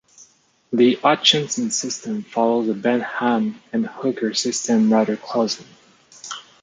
The Hutchinson system follows the Bentham and Hooker system rather closely.